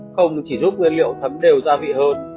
không chỉ giúp nguyên liệu thấm đều gia vị hơn